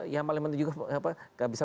yang paling penting juga gak bisa